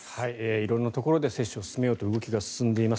色んなところで接種を進めようと動きが広がっています。